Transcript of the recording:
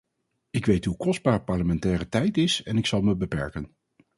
Ik weet hoe kostbaar parlementaire tijd is en ik zal me beperken.